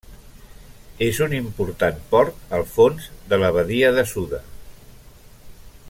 És un important port al fons de la badia de Suda.